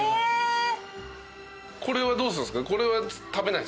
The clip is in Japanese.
これはどうすんすか？